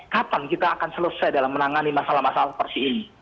kapan kita akan selesai dalam menangani masalah masalah seperti ini